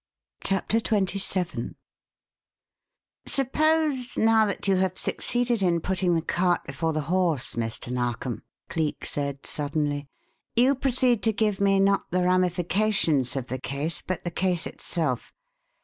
CHAPTER XXVII "Suppose, now, that you have succeeded in putting the cart before the horse, Mr. Narkom," Cleek said suddenly, "you proceed to give me, not the ramifications of the case, but the case itself.